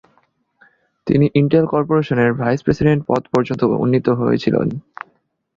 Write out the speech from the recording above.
তিনি ইন্টেল কর্পোরেশনের vice president পদ পর্যন্ত উন্নীত হয়েছিলেন।